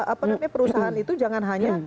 apa namanya perusahaan itu jangan hanya